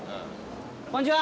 こんにちは。